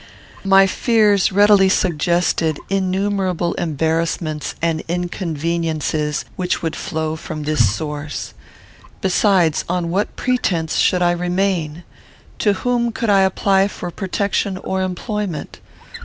My fears readily suggested innumerable embarrassments and inconveniences which would flow from this source. Besides, on what pretence should I remain? To whom could I apply for protection or employment?